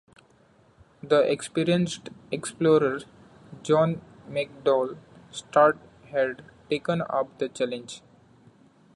The experienced explorer John McDouall Stuart had taken up the challenge.